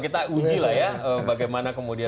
kita uji lah ya bagaimana kemudian